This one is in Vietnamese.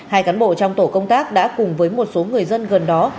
hai cán bộ trong tổ công tác đã cùng với một số người dân gần đó